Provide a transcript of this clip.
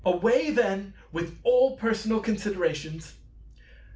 Away then with all personal considerations!